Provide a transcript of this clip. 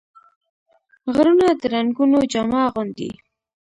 غرونه د رنګونو جامه اغوندي